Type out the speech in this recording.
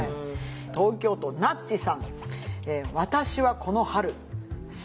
東京都なっちさん。